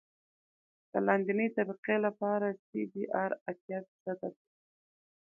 د لاندنۍ طبقې لپاره سی بي ار اتیا فیصده دی